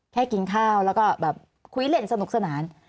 แค่กินข้าวแล้วก็แบบคุยเล่นสนุกสนาน